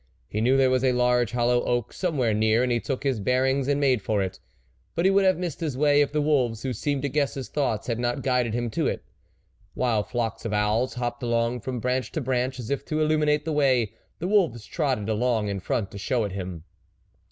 He knew there was a large hollow oak somewhere near, and he took his bearings and made for it ; but he would have missed his way if the wolves, who seemed to guess his thoughts, had not guided him to it. While flocks of owls hopped along from branch to branch, as if to illuminate the way, the wolves trotted along in front to show it him.